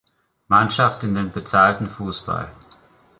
Mannschaft in den bezahlten Fußball.